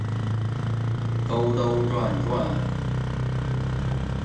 兜兜转转